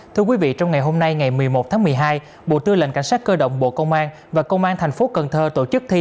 tháng một mươi hai bộ tư lệnh cảnh sát cơ động bộ công an và công an thành phố cần thơ tổ chức thi